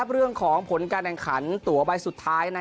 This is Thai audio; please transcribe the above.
เรื่องของฝนการแด่งขันตั๋วใบสุดท้าย